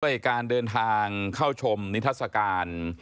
ด้วยการเดินทางเข้าชมนิทัศกาล